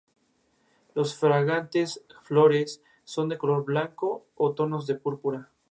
Las fragantes flores son de color blanco o tonos de púrpura.